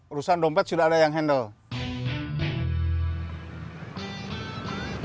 urusan dompet sudah ada yang handle